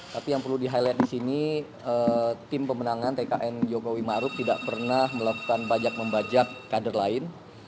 tapi yang perlu di highlight di sini tim kemenangan tkn jokowi maruk tidak pernah melakukan bajak membajak kader lain